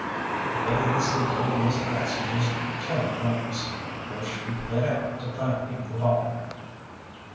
The way he subdued Miss Blossom was plenty wondrous, for she lit out to find him the bottle.